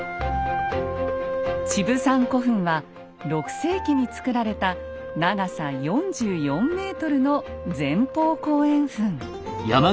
「チブサン古墳」は６世紀に造られた長さ４４ｍの前方後円墳。